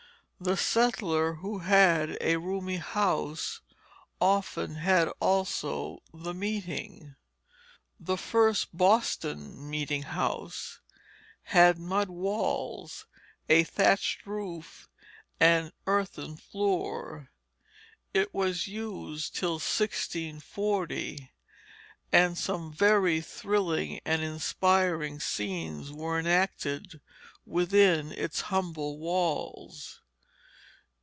The settler who had a roomy house often had also the meeting. The first Boston meeting house had mud walls, a thatched roof, and earthen floor. It was used till 1640, and some very thrilling and inspiring scenes were enacted within its humble walls.